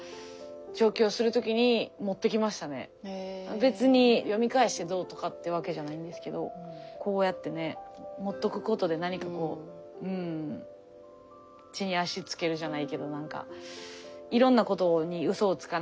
別に読み返してどうとかってわけじゃないんですけどこうやってね持っとくことで何かこううん地に足つけるじゃないけどなんかいろんなことにそうですね。